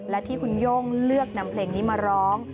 และที่คุณโย่งเลือกนำเพลงนี้มาร้อง